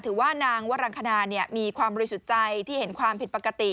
ถือว่านางวรังคณามีความบริสุทธิ์ใจที่เห็นความผิดปกติ